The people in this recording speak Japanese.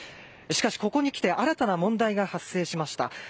しかし、ここにきて新たな問題が発生しました。